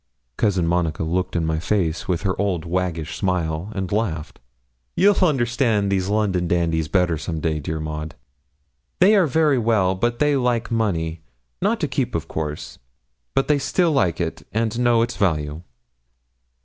Cousin Monica looked in my face with her old waggish smile, and laughed. 'You'll understand those London dandies better some day, dear Maud; they are very well, but they like money not to keep, of course but still they like it and know its value.'